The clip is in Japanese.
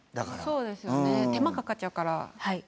そうですよね手間かかっちゃうから。